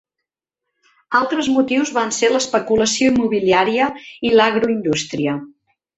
Altres motius van ser l'especulació immobiliària i l'agroindústria.